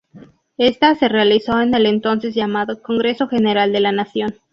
Esta se realizó en el entonces llamado "Congreso General de la Nación".